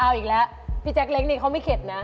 เอาอีกแล้วพี่แจ๊กเล็กนี่เขาไม่เข็ดนะ